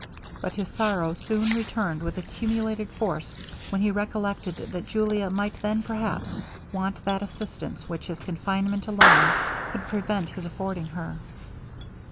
But his sorrow soon returned with accumulated force when he recollected that Julia might then perhaps want that assistance which his confinement alone could prevent his affording her.